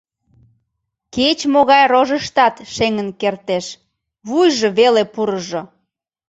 Кеч-могай рожыштат шеҥын кертеш, вуйжо веле пурыжо.